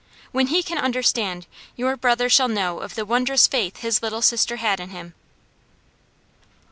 When he can understand, your brother shall know of the wondrous faith his Little Sister had in him."